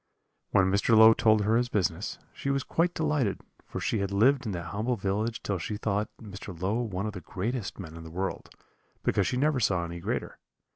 "When Mr. Low told her his business, she was quite delighted, for she had lived in that humble village till she thought Mr. Low one of the greatest men in the world, because she never saw any greater.